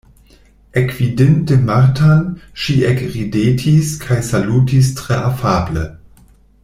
Ekvidinte Martan, ŝi ekridetis kaj salutis tre afable.